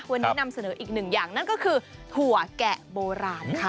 วันนี้นำเสนออีกหนึ่งอย่างนั่นก็คือถั่วแกะโบราณค่ะ